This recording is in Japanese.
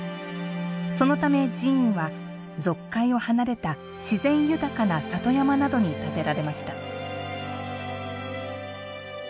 そのため寺院は、俗界を離れた自然豊かな里山などに建てられました。